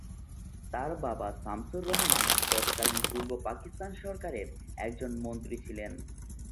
তার বাবা শামসুর রহমান তৎকালীন পূর্ব পাকিস্তান সরকারের একজন মন্ত্রী ছিলেন।